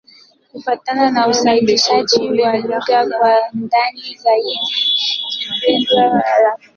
Kufuatana na uainishaji wa lugha kwa ndani zaidi, Kigbe-Xwla-Magharibi iko katika kundi la Kikwa.